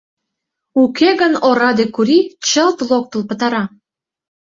Уке гын ораде Кури чылт локтыл пытара.